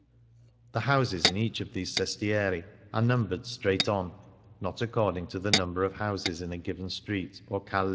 The houses in each of these sestieri are num bered straight on, not according to the number of houses in a given street, or calle.